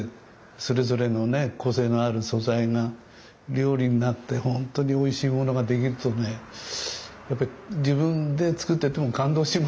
それぞれの個性のある素材が料理になってほんとにおいしいものが出来るとねやっぱり自分で作ってても感動します